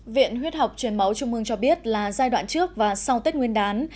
viện huyết học truyền máu trung ương cho biết là giai đoạn trước và sau tết nguyên đán